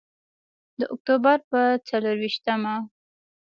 د اکتوبر په څلور ویشتمه.